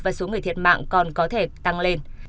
và số người thiệt mạng còn có thể tăng lên